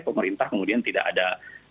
pemerintah kemudian tidak ada